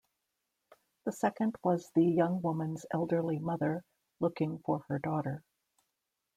The second was the young woman's elderly mother, looking for her daughter.